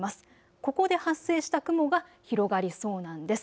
ここで発生した雲が広がりそうなんです。